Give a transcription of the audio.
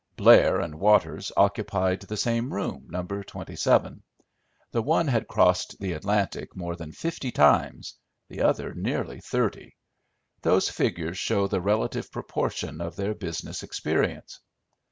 Blair and Waters occupied the same room, No. 27. The one had crossed the Atlantic more than fifty times, the other nearly thirty. Those figures show the relative proportion of their business experience.